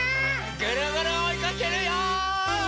ぐるぐるおいかけるよ！